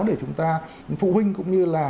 để chúng ta phụ huynh cũng như là